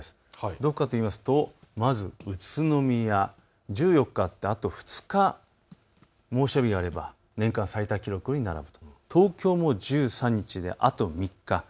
どこかというとまず宇都宮、１４日あって、あと２日猛暑日があれば年間最多記録に並ぶ、東京も１３日、あと３日。